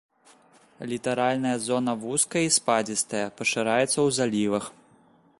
Літаральная зона вузкая і спадзістая, пашыраецца ў залівах.